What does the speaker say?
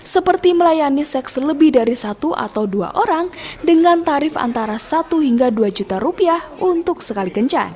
seperti melayani seks lebih dari satu atau dua orang dengan tarif antara satu hingga dua juta rupiah untuk sekali kencan